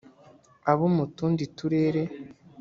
abo mu tundi turere